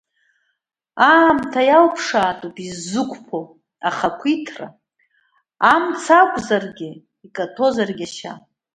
Аамҭа иалԥшаатәуп иззықәԥо, ахақәиҭра, амца акуазаргь, икаҭәозаргь ашьа.